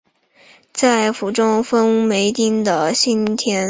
在府中市分梅町的新田川分梅公园有分倍河原古战场碑。